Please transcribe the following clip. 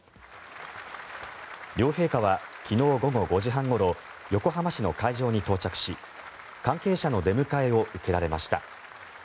両陛下は昨日午後５時半ごろ横浜市の会場に到着し関係者の出迎えを受けられました。